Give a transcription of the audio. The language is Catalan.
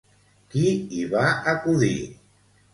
Qui hi va acudir?